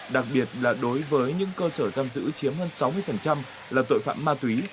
đặc biệt là đối với những cơ sở giam giữ chiếm hơn sáu mươi là tội phạm ma túy